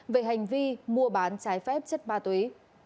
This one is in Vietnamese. về hành vi mua bán trái phép chất ma túy